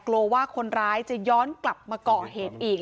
กลัวว่าคนร้ายจะย้อนกลับมาก่อเหตุอีก